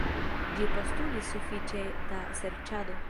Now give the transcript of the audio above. Ĝi postulis sufiĉe da serĉado.